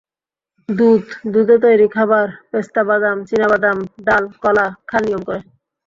দুধ, দুধে তৈরি খাবার, পেস্তাবাদাম, চীনা বাদাম, ডাল, কলা খান নিয়ম করে।